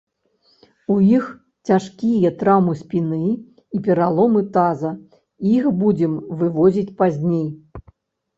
У іх цяжкія траўмы спіны і пераломы таза, іх будзем вывозіць пазней.